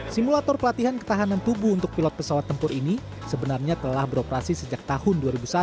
simulator pelatihan ketahanan tubuh untuk pilot pesawat tempur ini sebenarnya telah beroperasi sejak tahun dua ribu satu